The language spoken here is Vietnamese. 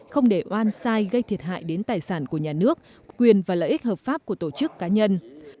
không để oan sai gây thiệt hại đến tài sản của nhà nước quyền và lợi ích hợp pháp của tổ chức cá nhân